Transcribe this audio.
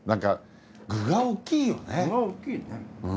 具が大きいですね。